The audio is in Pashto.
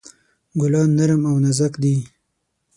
ګلان نرم او نازک دي.